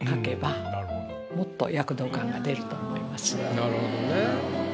なるほどね。